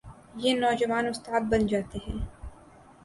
یہ نوجوان استاد بن جاتے ہیں۔